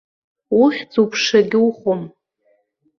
Ухьӡ-уԥшагь ухәом.